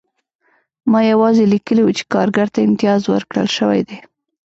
ما یوازې لیکلي وو چې کارګر ته امتیاز ورکړل شوی دی